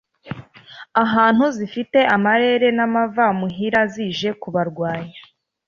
ahantu zifite amarere n'amavamuhira zije kubarwanya,